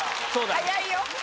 早いよ。